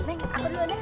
neng aku dulu deh